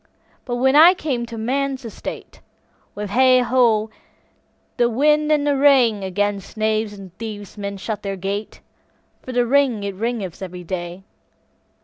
But when I came to man's estate, With hey, ho, the wind and the rain, 'Gainst knaves and thieves men shut the gate, For the rain it raineth every day.